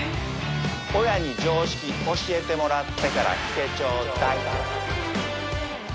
親に常識教えてもらってから来てちょうだい。